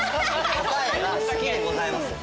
答えは「好きでございます」？